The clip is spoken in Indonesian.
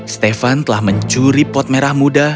stefan telah mencuri pot merah muda